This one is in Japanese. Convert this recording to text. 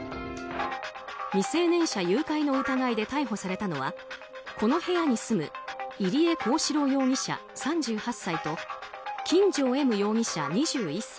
未成年者誘拐の疑いで逮捕されたのはこの部屋に住む入江公史郎容疑者、３８歳と金城え夢容疑者、２１歳。